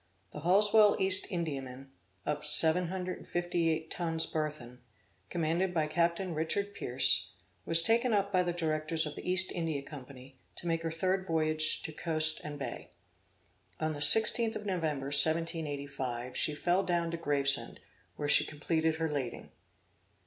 The Halsewell East Indiaman, of 758 tons burthen, commanded by Captain Richard Pierce, was taken up by the directors of the East India Company to make her third voyage to Coast and Bay. On the 16th of November 1785, she fell down to Gravesend, where she completed her lading.